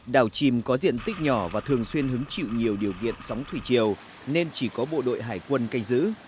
đảo chìm có diện tích nhỏ và thường xuyên hứng chịu nhiều điều kiện sóng thủy triều nên chỉ có bộ đội hải quân canh giữ